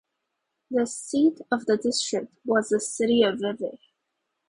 The seat of the district was the city of Vevey.